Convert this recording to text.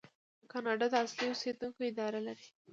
کاناډا د اصلي اوسیدونکو اداره لري.